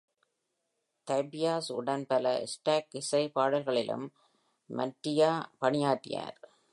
Tobias உடன் பல stock இசை பாடல்களிலும் Mantia பணியாற்றியுள்ளார்.